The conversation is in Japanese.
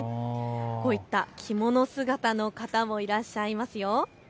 こういった着物姿の方もいらっしゃいますよ。